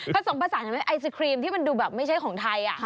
ผสมภาษาไอซิครีมที่มันดูแบบไม่ใช่ของไทย